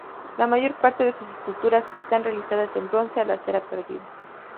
La mayor parte de sus esculturas están realizadas en bronce a la cera perdida.